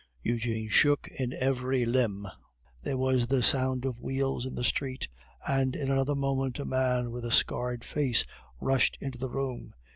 Eugene shook in every limb. There was the sound of wheels in the street, and in another moment a man with a scared face rushed into the room.